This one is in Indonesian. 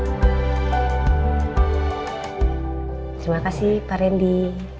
terima kasih pak randy